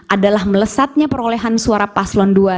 adalah melesatnya perolehan suara paslon dua